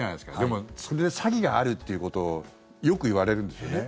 でも、それで詐欺があるということがよくいわれるんですよね。